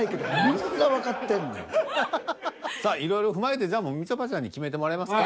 いろいろ踏まえてみちょぱちゃんに決めてもらいますか。